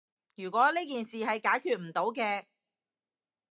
如果呢件事係解決唔到嘅